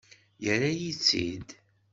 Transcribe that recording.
Yerra-yi-tt-id.